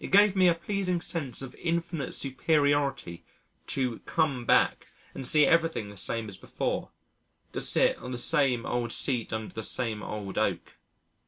It gave me a pleasing sense of infinite superiority to come back and see everything the same as before, to sit on the same old seat under the same old oak.